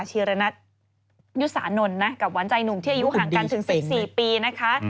ชีรณัทยุสานนท์นะกับหวานใจหนุ่มที่อายุห่างกันถึง๑๔ปีนะคะ